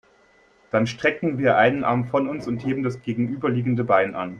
Dann strecken wir einen Arm von uns und heben das gegenüberliegende Bein an.